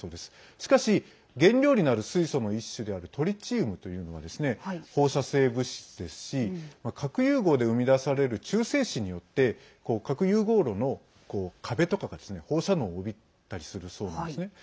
しかし、原料になる水素の一種であるトリチウムというのは放射性物質ですし核融合で生み出される中性子によって核融合炉の壁とかが放射能を帯びたりするそうなんですね。